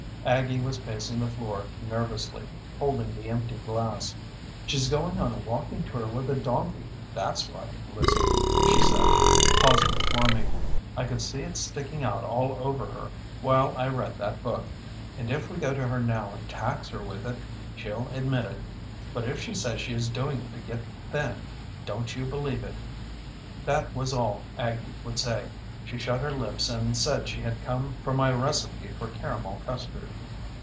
Aggie was pacing the floor nervously, holding the empty glass. "She's going on a walking tour with a donkey, that's what, Lizzie," she said, pausing before me. "I could see it sticking out all over her while I read that book. And if we go to her now and tax her with it she'll admit it. But if she says she is doing it to get thin don't you believe it." That was all Aggie would say. She shut her lips and said she had come for my recipe for caramel custard.